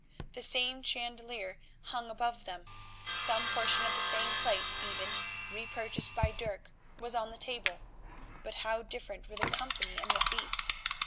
The same chandelier hung above them, some portion of the same plate, even, repurchased by Dirk, was on the table, but how different were the company and the feast!